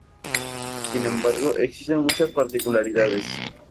Sin embargo, existen muchas particularidades.